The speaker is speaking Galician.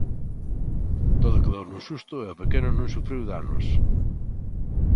Todo quedou nun susto e o pequeno non sufriu danos.